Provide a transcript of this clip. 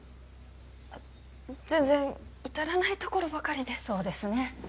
全然至らないところばかりでそうですね